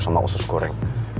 sama usus goreng